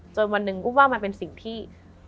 วันหนึ่งอุ้มว่ามันเป็นสิ่งที่